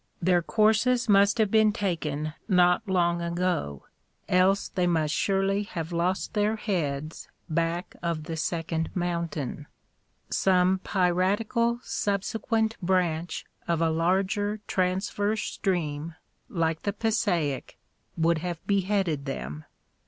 Their courses must have been taken not long ago, else they must surely have lost their heads back of the second mountain ; some piratical subsequent branch of a larger transverse stream, like the Passaic, would have beheaded them.